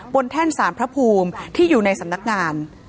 แท่นสารพระภูมิที่อยู่ในสำนักงาน